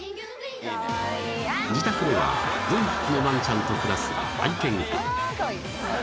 自宅では４匹のワンちゃんと暮らす愛犬家